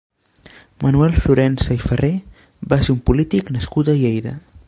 Manuel Florensa i Farré va ser un polític nascut a Lleida.